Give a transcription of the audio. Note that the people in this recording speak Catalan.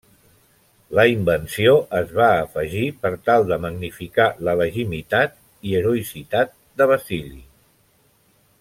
La invenció es va afegir per tal de magnificar la legitimitat i heroïcitat de Basili.